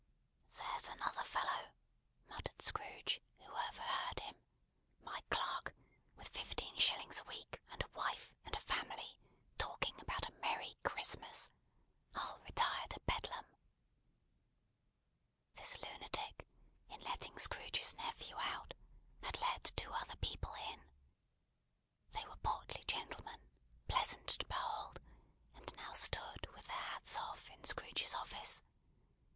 "There's another fellow," muttered Scrooge; who overheard him: "my clerk, with fifteen shillings a week, and a wife and family, talking about a merry Christmas. I'll retire to Bedlam." This lunatic, in letting Scrooge's nephew out, had let two other people in. They were portly gentlemen, pleasant to behold, and now stood, with their hats off, in Scrooge's office.